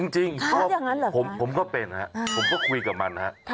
จริงผมก็เป็นครับผมก็คุยกับมันฮะ